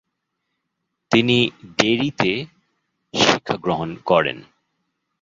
তিনি ডেরিতে শিক্ষা গ্রহণ করেন।